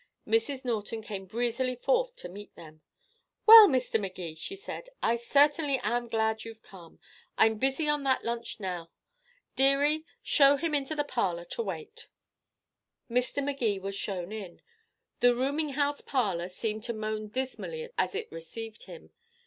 Mrs. Norton came breezily forth to meet them. "Well, Mr. Magee," she said, "I certainly am glad you've came. I'm busy on that lunch now. Dearie, show him into the parlor to wait." Mr. Magee was shown in. That rooming house parlor seemed to moan dismally as it received him.